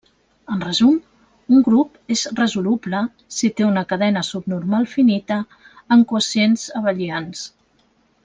En resum, un grup és resoluble si té una cadena subnormal finita amb quocients abelians.